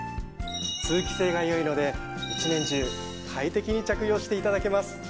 通気性がよいので１年中快適に着用していただけます。